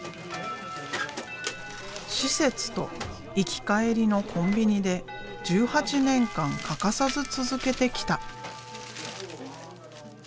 施設と行き帰りのコンビニで１８年間欠かさず続けてきた。